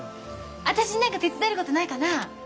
私に何か手伝えることないかな。